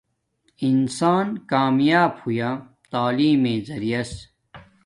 انسان کامیاپ ہویا تعلیم مݵݵ زریعس